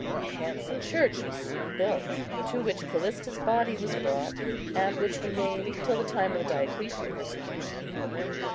A handsome church was soon built, to which Callista's body was brought, and which remained till the time of the Diocletian persecution.